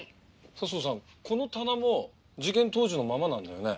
この棚も事件当時のままなんだよね？